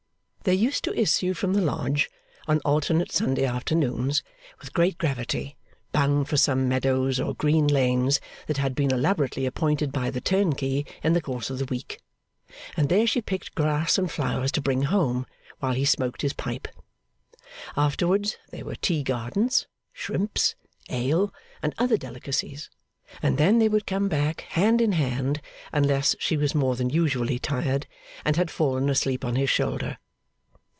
They used to issue from the lodge on alternate Sunday afternoons with great gravity, bound for some meadows or green lanes that had been elaborately appointed by the turnkey in the course of the week; and there she picked grass and flowers to bring home, while he smoked his pipe. Afterwards, there were tea gardens, shrimps, ale, and other delicacies; and then they would come back hand in hand, unless she was more than usually tired, and had fallen asleep on his shoulder.